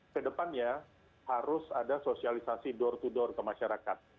kedepannya harus ada sosialisasi door to door ke masyarakat